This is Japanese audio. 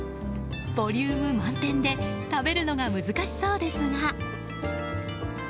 ボリューム満点で食べるのが難しそうですが。